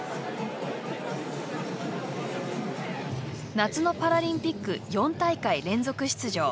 夏のパラリンピック４大会連続出場。